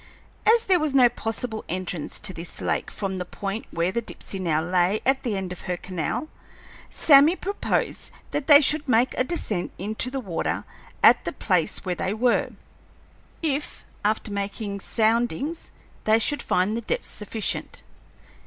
As there was no possible entrance to this lake from the point where the Dipsey now lay at the end of her canal, Sammy proposed that they should make a descent into the water at the place where they were, if, after making soundings, they should find the depth sufficient.